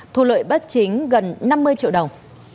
thu lợi bất chính gần năm mươi triệu đồng